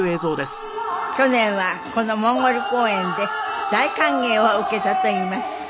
去年はこのモンゴル公演で大歓迎を受けたといいます。